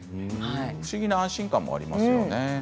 不思議な安心感もありますよね。